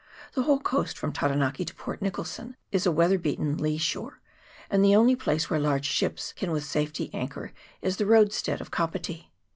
The whole coast from Taranaki to Port Nicholson is a weather beaten lee shore, and the only place where large ships can with safety anchor is the roadstead of Kapiti.